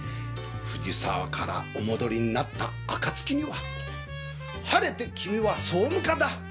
藤沢からお戻りになったあかつきには晴れて君は総務課だ